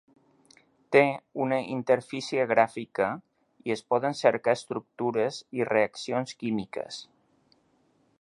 Té una interfície gràfica, i es poden cercar estructures i reaccions químiques.